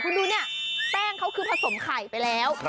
คุณดูเนี่ยแป้งพร้อมกับไข่ไปแล้ว